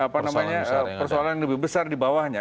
persoalan yang lebih besar di bawahnya